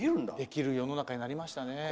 できる世の中になりましたね。